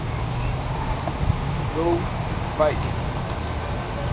Go Fighting!